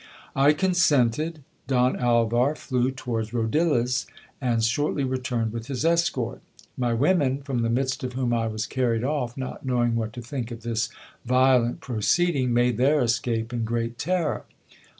I consented. Don Alvar flew towards Rodillas, and shortly returned with his escort. My women, from the midst of whom I was carried off, not knowing what to think of this violent proceeding, made their escape in great terror.